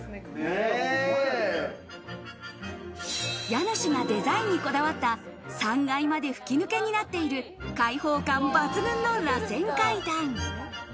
家主がデザインにこだわった３階まで吹き抜けになっている、開放感抜群のらせん階段。